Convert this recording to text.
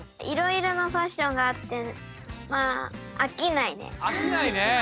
いろいろなファッションがあってあきないね。